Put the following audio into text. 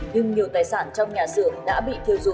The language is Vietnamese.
nhưng nhiều tài sản trong nhà xưởng đã bị thiêu dụi